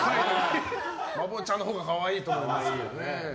バボちゃんのほうが可愛いと思います。